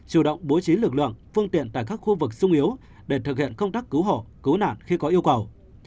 chủ động bố trí lực lượng phương tiện tại các khu vực sung yếu để thực hiện công tác cứu hộ cứu nạn khi có yêu cầu